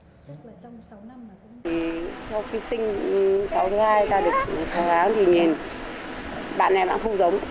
sau khi sinh cháu thứ hai ta được khó kháng thì nhìn bạn này bạn không giống